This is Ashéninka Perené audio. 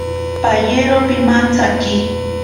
Payero pimantsaki.